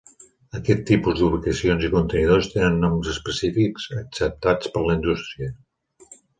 Aquest tipus d'ubicacions i contenidors tenen noms específics acceptats per la industria.